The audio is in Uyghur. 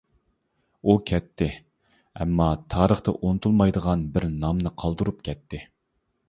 ئۇ كەتتى ئەمما تارىختا ئۇنتۇلمايدىغان بىر نامنى قالدۇرۇپ كەتتى.